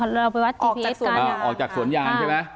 นับว่าเร็วจะออกจากสวนยาง